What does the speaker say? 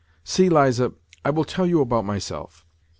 " See, Liza, I will tell you about myself.